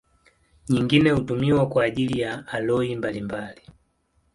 Nyingine hutumiwa kwa ajili ya aloi mbalimbali.